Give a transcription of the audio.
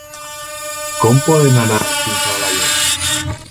Com podem anar fins a Alaior?